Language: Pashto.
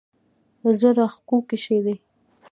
زړه راښکونکی شی دی.